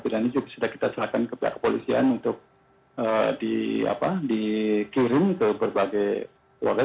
ini juga sudah kita silakan ke pihak polisian untuk dikirim ke berbagai polset